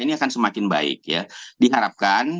ini akan semakin baik ya diharapkan